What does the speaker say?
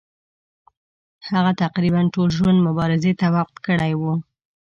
هغه تقریبا ټول ژوند مبارزې ته وقف کړی وو.